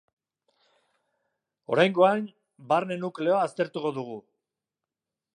Oraingoan barne nukleoa aztertuko dugu.